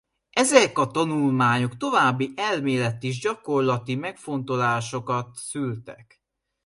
Ezek a tanulmányok további elméleti és gyakorlati megfontolásokat szültek.